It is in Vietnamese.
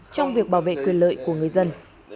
trong việc bảo vệ quyền lợi của người dân